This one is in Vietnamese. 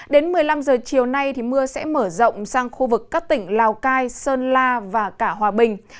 đến một mươi năm h chiều nay mưa sẽ mở rộng sang khu vực các tỉnh lào cai sơn la và cả hòa bình